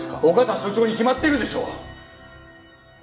緒方署長に決まってるでしょ！